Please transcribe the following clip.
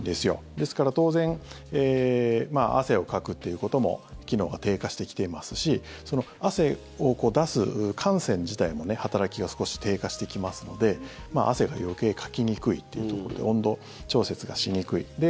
ですから当然汗をかくっていうことも機能が低下してきていますし汗を出す汗腺自体も働きが少し低下してきますので汗が余計かきにくいというところで温度調節がしにくい。